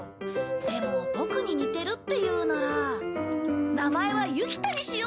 でもボクに似てるっていうなら名前はユキ太にしようか！